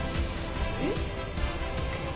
えっ？